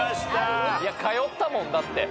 通ったもんだって。